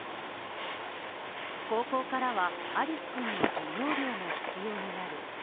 高校からはアリフ君の授業料も必要になる。